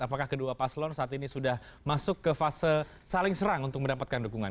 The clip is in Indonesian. apakah kedua paslon saat ini sudah masuk ke fase saling serang untuk mendapatkan dukungan